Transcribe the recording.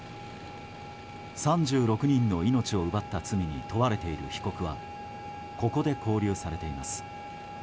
３６人の命を奪った罪に問われている被告はここで勾留されています。